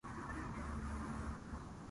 あなたしか好きにならない